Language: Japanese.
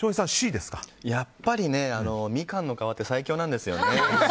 やっぱりね、みかんの皮って最強なんですよね。